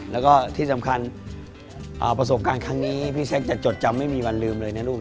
แล้วก็ที่สำคัญประสบการณ์ครั้งนี้พี่แซคจะจดจำไม่มีวันลืมเลยนะลูก